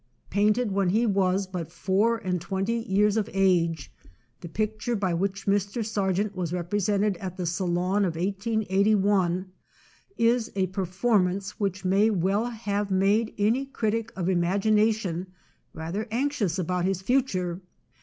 Painted when he was but four and twenty years of age, the picture by which Mr. Sargent was represented at the Salon of 1881 is a performance which may well have made any critic of imagination rather anxious about his future.